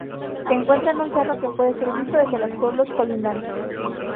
Se encuentra en un cerro que puede ser visto desde los pueblos colindantes.